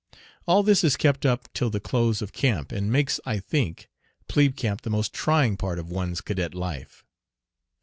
All this is kept up till the close of camp, and makes, I think, plebe camp the most trying part of one's cadet life.